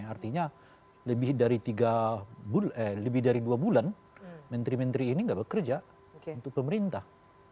artinya lebih dari dua bulan menteri menteri ini tidak bekerja untuk pemerintah